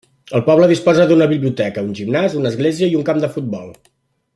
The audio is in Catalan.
El poble disposa d'una biblioteca, un gimnàs, una església i un camp de futbol.